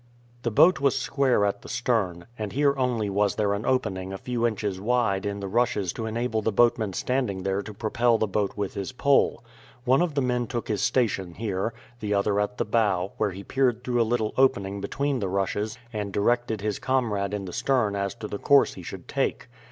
The boat was square at the stern, and here only was there an opening a few inches wide in the rushes to enable the boatman standing there to propel the boat with his pole. One of the men took his station here, the other at the bow, where he peered through a little opening between the rushes, and directed his comrade in the stern as to the course he should take.